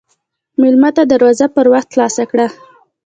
مېلمه ته دروازه پر وخت خلاصه کړه.